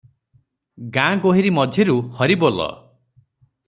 ଗାଁ ଗୋହିରୀ ମଝିରୁ 'ହରିବୋଲ!